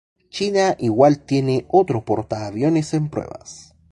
China igual tiene otro portaaviones en pruebas.